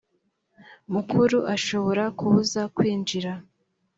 mukuru ashobora kubuza kwinjira